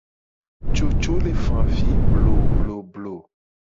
Coco le fa avi blobloblo.